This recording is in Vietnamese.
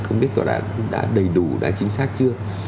không biết nó đã đầy đủ đã chính xác chưa